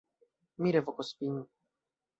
Mi revokos vin.